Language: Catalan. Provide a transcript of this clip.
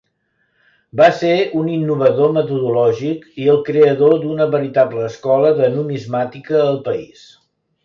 Va ser un innovador metodològic i el creador d'una veritable escola de numismàtica al país.